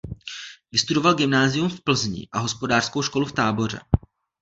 Vystudoval gymnázium v Plzni a hospodářskou školu v Táboře.